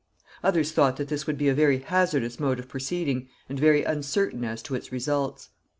Others thought that this would be a very hazardous mode of proceeding, and very uncertain as to its results.